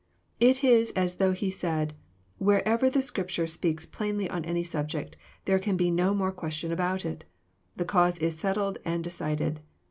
It is as though He said, " Wherever the Scrip ture speaks plainly on any subject, there can be no more question about it. The cause is settled and decided.